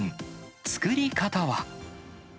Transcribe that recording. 作り方は。